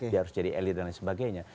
dia harus jadi elit dan lain sebagainya